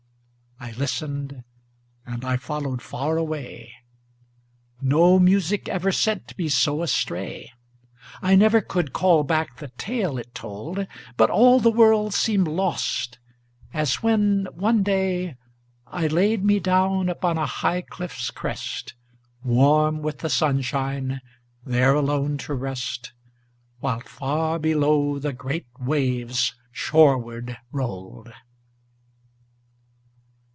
I listened, and I followed far away No music ever sent me so astray, I never could call back the tale it told, But all the world seemed lost, as when, one day, I laid me down upon a high cliff's crest, Warm with the sunshine, there alone to rest, While far below the great waves shoreward rolled.